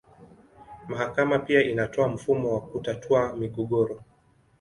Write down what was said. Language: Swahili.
Mahakama pia inatoa mfumo wa kutatua migogoro.